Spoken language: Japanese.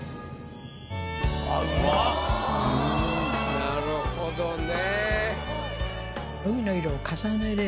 なるほどね。